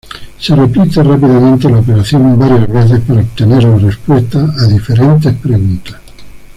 Se repite rápidamente la operación varias veces para obtener la respuesta a diferentes preguntas.